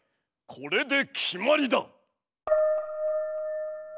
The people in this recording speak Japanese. これで決まりだ！